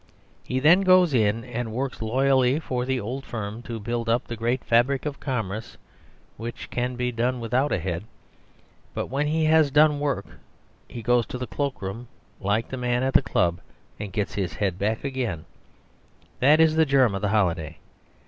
He then goes in and works loyally for the old firm to build up the great fabric of commerce (which can be done without a head), but when he has done work he goes to the cloak room, like the man at the club, and gets his head back again; that is the germ of the holiday.